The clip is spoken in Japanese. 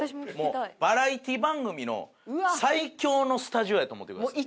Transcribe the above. バラエティー番組の最強のスタジオやと思ってください。